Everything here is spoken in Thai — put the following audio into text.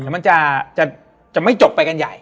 มันจะไม่จบไปกันใหญ่